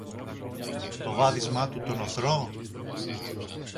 Το βάδισμα του το νωθρό;